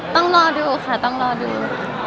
ต้องรอดูค่ะต้องรอดู